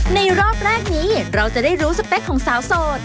รอบแรกนี้เราจะได้รู้สเปคของสาวโสด